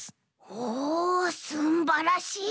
おおすんばらしい！